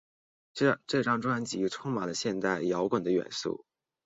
这张专辑充满了现代摇滚的元素。